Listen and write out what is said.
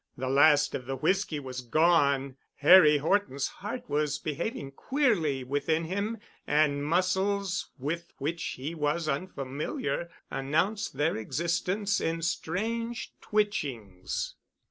The last of the whisky was gone. Harry Horton's heart was behaving queerly within him, and muscles with which he was unfamiliar announced their existence in strange twitchings.